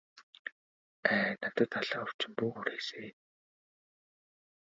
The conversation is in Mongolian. Ай надад далайн өвчин бүү хүрээсэй.